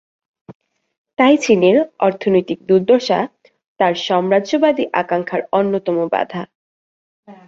তাই, চীনের অর্থনৈতিক দুর্দশা তার সাম্রাজ্যবাদী আকাঙ্ক্ষার অন্যতম বাধা।